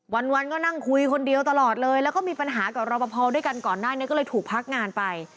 วันวันก็นั่งคุยคนเดียวตลอดเลยแล้วก็มีปัญหากับรอปภด้วยกันก่อนหน้านี้ก็เลยถูกพักงานไป